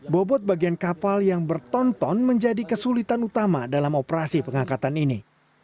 bobot bagian kapal yang bertonton menjadi kesulitan utama dalam operasi pengangkatan ini